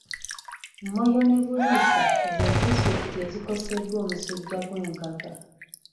Moyo ne Buliisa ze disitulikiti ezikoseddwa omusujja gw'enkaka.